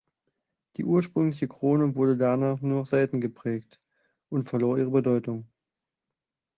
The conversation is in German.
Die ursprüngliche Krone wurde danach nur noch selten geprägt und verlor ihre Bedeutung.